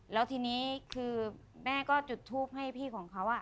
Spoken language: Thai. แล้วทีนี้คือแม่ก็จุดทูปให้พี่ของเขา